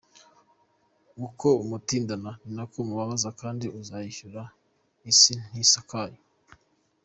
Uko umutindana ni ko umubabaza kdi uzabyishyura, isi ntisakaye.